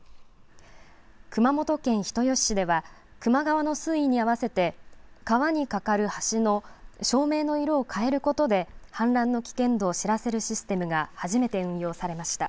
熊本県人吉市では、球磨川の水位に合わせて川にかかる橋の照明の色を変えることで氾濫の危険度を知らせるシステムが初めて運用されました。